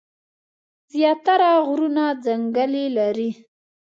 زيات تره غرونه ځنګلې لري ـ